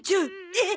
えっ！